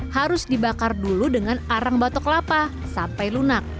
harus dibakar dulu dengan arang batok kelapa sampai lunak